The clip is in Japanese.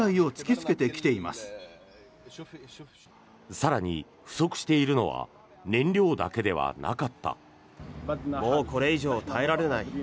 更に、不足しているのは燃料だけではなかった。